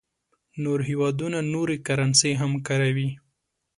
نور هېوادونه نورې کرنسۍ هم کاروي.